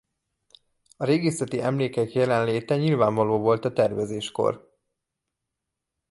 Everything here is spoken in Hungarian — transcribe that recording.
A régészeti emlékek jelenléte nyilvánvaló volt a tervezéskor.